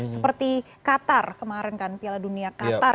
seperti qatar kemarin kan piala dunia qatar